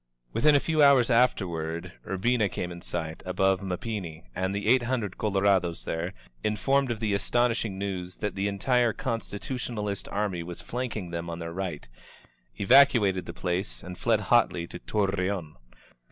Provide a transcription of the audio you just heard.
Within a 199 INSURGENT MEXICO few hoars afterward Urfama came in sight aboTe Ma pimi, and the ei^t hundred eolorados there, informed of the astonishing news that the entire Constitution alist army was flanting them on their right, eyacnated the place, and fled hotlj to Torreon.